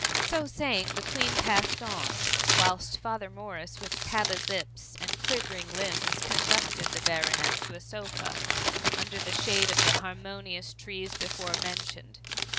^ So saying, the Queen passed on, whilst Father Morris,^ with pallid lips and quivering limbs, conducted the Baronet to a sofa, under THE ICUMMY. 261 the shade of the harmonious trees before men tioned.